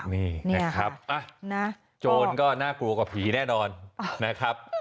นี่นะครับโจรก็น่ากลัวกว่าผีแน่นอนนะครับ